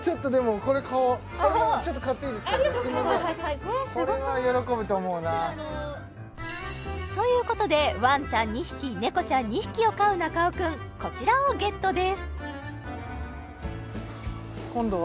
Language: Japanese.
これは喜ぶと思うなということでワンちゃん２匹猫ちゃん２匹を飼う中尾君こちらをゲットです今度は？